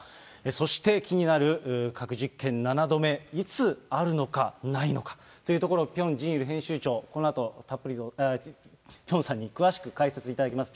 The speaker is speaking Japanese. そして、気になる核実験７度目、いつ、あるのか、ないのか、というところをピョン・ジンイル編集長、このあとたっぷりと、ピョンさんに詳しく解説いただきます。